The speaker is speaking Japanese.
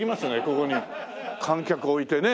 ここに観客を置いてね。